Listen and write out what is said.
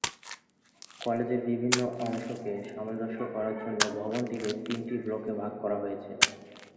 কলেজের বিভিন্ন অংশকে সামঞ্জস্য করার জন্য ভবনটিতে তিনটি ব্লকে ভাগ করা হয়েছে।